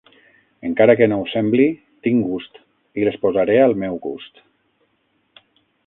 Encara que no ho sembli, tinc gust, i les posaré al meu gust